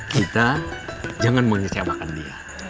kita jangan mau ngecewakan dia